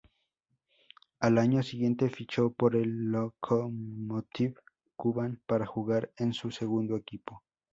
Al año siguiente fichó por el Lokomotiv Kuban para jugar en su segundo equipo.